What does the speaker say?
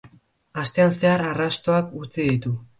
Astean zehar arrastoak utzi ditu.